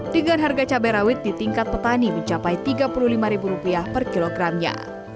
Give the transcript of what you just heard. dengan harga cabai rawit di tingkat petani mencapai rp tiga puluh lima per kilogramnya